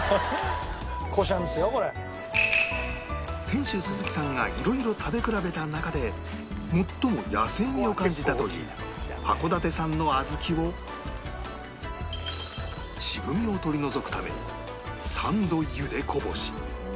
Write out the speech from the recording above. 店主鈴木さんがいろいろ食べ比べた中で最も野性味を感じたという函館産の小豆を渋みを取り除くため３度ゆでこぼし